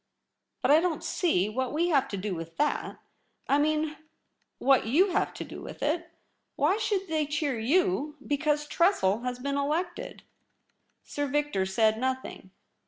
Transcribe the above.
' But I don't see what w^e have to do with IN THE LOBBY. that ; I mean, what you have to do with It. Why should they cheer you because Tressel has been elected ?' Sir Victor said nothing.